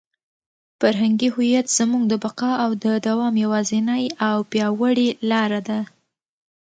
فرهنګي هویت زموږ د بقا او د دوام یوازینۍ او پیاوړې لاره ده.